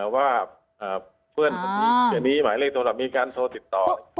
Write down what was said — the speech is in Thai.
ว่าเพื่อนคนนี้เดี๋ยวนี้หมายเลขโทรศัพท์มีการโทรติดต่อ